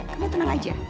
kamu tenang aja